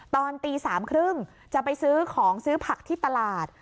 ตอนตี๓๓๐จะไปซื้อของซื้อผักที่ตลาด